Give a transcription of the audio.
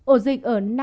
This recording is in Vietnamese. ổ dịch ở nam dư lĩnh nam